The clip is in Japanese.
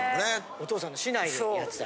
お父さんの竹刀でやってた。